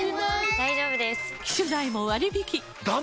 大丈夫です！